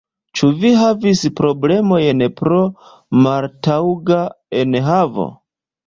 Ĉu vi havis problemojn pro maltaŭga enhavo?